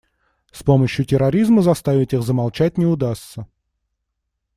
С помощью терроризма заставить их замолчать не удастся.